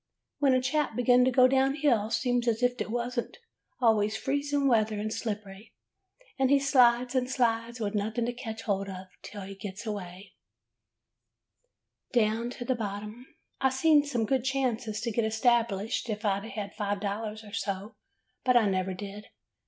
When a chap begins to go down hill seems as if 't was always freezin' weather and slippery, an' he slides and slides with nothing to catch hold of, till he gets away [ 52 ] HOW BEN FO UND SANTA CLAUS down to the bottom. I see some good chances to get established if I 'd had five dollars or so, but I never did.